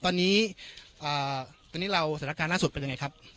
ตอนนี้ตอนนี้เราสถานการณ์ล่าสุดเป็นยังไงครับ